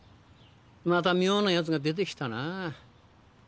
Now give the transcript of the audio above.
また妙なヤツが出て来たなぁ。